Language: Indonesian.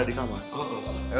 sini itu mah kaga itu